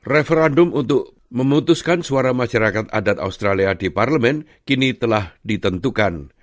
referadum untuk memutuskan suara masyarakat adat australia di parlemen kini telah ditentukan